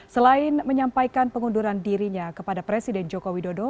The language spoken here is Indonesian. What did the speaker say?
selain menyampaikan pengunduran dirinya kepada presiden joko widodo